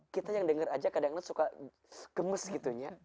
kita yang denger aja kadang suka gemes gitu nya